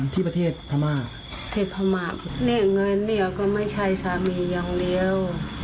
ที่ประเทศพม่าที่พม่าเนี่ยเงินเนี่ยก็ไม่ใช่สามีอย่างเดียว